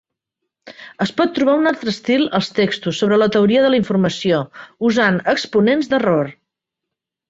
Es pot trobar un altre estil als textos sobre teoria de la informació usant exponents d"error.